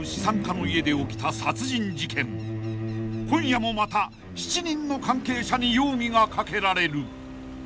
［今夜もまた７人の関係者に容疑がかけられる］